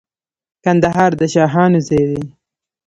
کندهار د شاهانو ځای دی.